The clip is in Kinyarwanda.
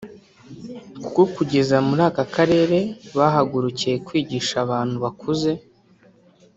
kuko kugeza muri aka karere bahagurukiye kwigisha abantu bakuze